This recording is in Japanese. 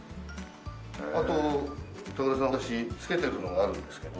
あと高田さん私着けてるのがあるんですけど。